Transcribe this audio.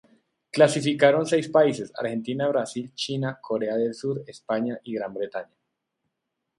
Clasificaron seis países: Argentina, Brasil, China, Corea del Sur, España y Gran Bretaña.